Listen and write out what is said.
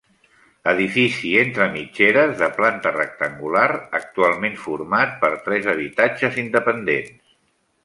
Edifici entre mitgeres de planta rectangular, actualment format per tres habitatges independents.